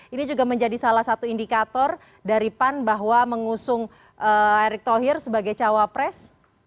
ini juga menjadi salah satu indikator dari pan bahwa mengusung erick thohir sebagai cawapres